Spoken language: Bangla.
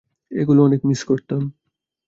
এগুলো অনেক মিস করতাম।